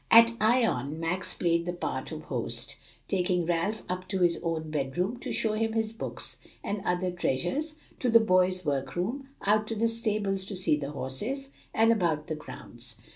At Ion, Max played the part of host, taking Ralph up to his own bedroom to show him his books and other treasures, to the boys' work room, out to the stables to see the horses, and about the grounds.